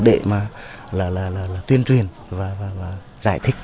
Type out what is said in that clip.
để mà tuyên truyền và giải thích